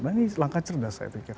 dan ini langkah cerdas saya pikir